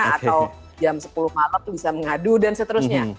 atau jam sepuluh malam itu bisa mengadu dan seterusnya